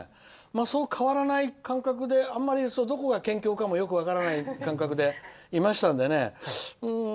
そう変わらない感覚であんまり、どこが県境かもよく分からない感覚でいましたのでね。